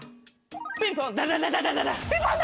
ピンポンダダダダダダ！